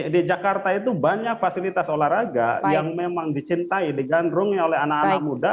di jakarta itu banyak fasilitas olahraga yang memang dicintai digandrungi oleh anak anak muda